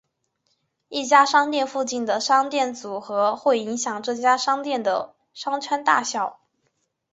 一家商店附近的商店组合会影响这家商店的商圈大小。